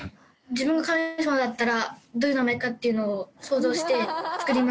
自分が神様だったらどういう名前かっていうのを想像して作りました。